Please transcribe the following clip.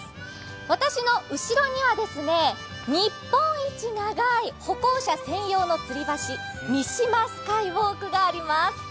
私の後ろには日本一長い歩行者専用つり橋、三島スカイウォークがあります。